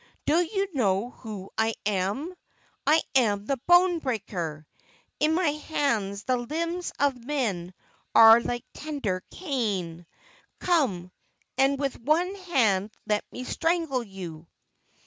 Do you know who I am? I am the bone breaker! In my hands the limbs of men are like tender cane. Come, and with one hand let me strangle you!"